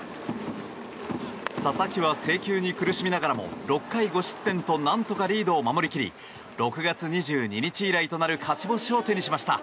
佐々木は制球に苦しみながらも６回５失点と何とかリードを守りきり６月２２日以来となる勝ち星を手にしました。